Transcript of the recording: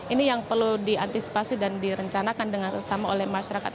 ini yang perlu diantisipasi dan direncanakan dengan sesama oleh masyarakat